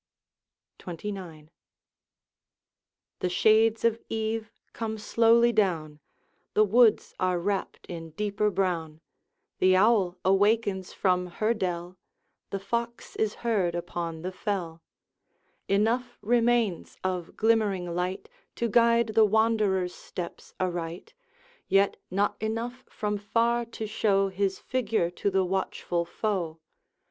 XXIX. The shades of eve come slowly down, The woods are wrapt in deeper brown, The owl awakens from her dell, The fox is heard upon the fell; Enough remains of glimmering light To guide the wanderer's steps aright, Yet not enough from far to show His figure to the watchful foe.